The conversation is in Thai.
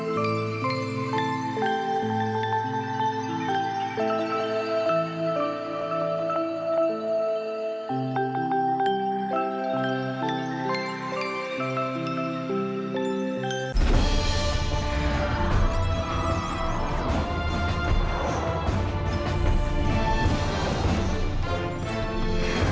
โปรดติดตาม